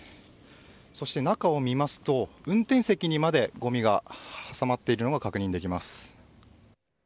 そして、中を見ますと運転席にまでごみが挟まっているのが確認できます。